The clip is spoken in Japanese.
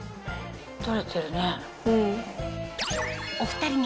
取れてるね。